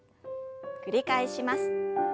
繰り返します。